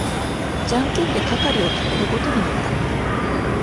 じゃんけんで係を決めることになった。